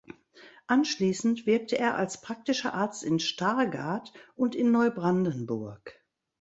Anschließend wirkte er als praktischer Arzt in Stargard und in Neubrandenburg.